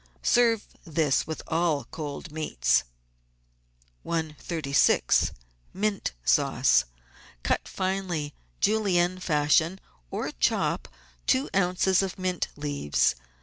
Serve this with all cold meats. 136— MINT SAUCE Cut finely. Julienne fashion, or chop, two oz. of mint leaves.